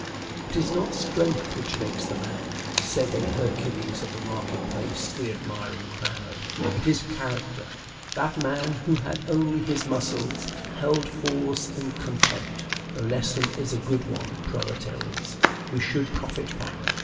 "It is not strength which makes the man," said a Hercules of the market place to the admiring crowd; "it is character." That man, who had only his muscles, held force in contempt. The lesson is a good one, proletaires; we should profit by it.